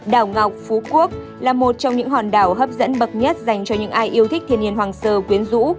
đảo ngọc phú quốc là một trong những hòn đảo hấp dẫn bậc nhất dành cho những ai yêu thích thiên nhiên hoàng sơ quyến rũ